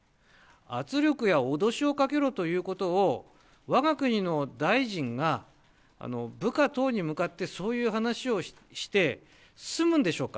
圧力や脅しをかけろということを、わが国の大臣が、部下等に向かって、そういう話をして済むんでしょうか。